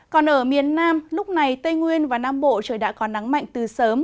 còn ở miền nam lúc này tây nguyên và nam bộ trời đã có nắng mạnh từ sớm